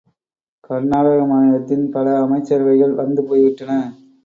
கர்நாடக மாநிலத்தில் பல அமைச்சரவைகள் வந்து போய்விட்டன.